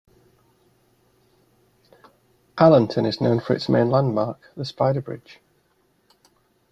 Allenton is known for its main landmark, the Spider Bridge.